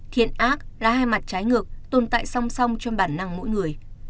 thiện ác là hai mặt trái ngược tồn tại song song trong bản năng mỗi người